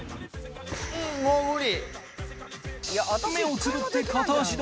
もう無理！